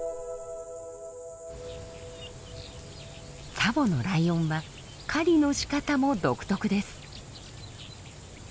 ツァボのライオンは狩りのしかたも独特です。